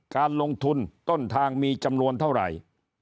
การลงทุนต้นทางมีจำนวนเท่าไหร่